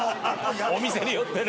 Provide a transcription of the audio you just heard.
お店によってね。